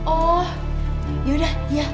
oh yaudah ya